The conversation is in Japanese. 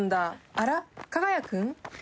あらっ加賀谷君？」